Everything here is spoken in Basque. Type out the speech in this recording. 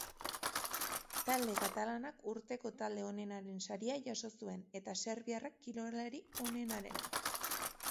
Talde katalanak urteko talde onenaren saria jaso zuen eta serbiarrak kirolari onenarena.